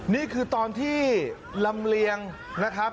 นี่คือตอนที่ลำเลียงนะครับ